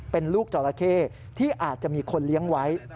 เป็นลูกจราเข้ที่อาจจะมีคนเลี้ยงไว้